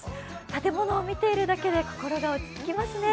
建物を見ているだけで心が落ち着きますね。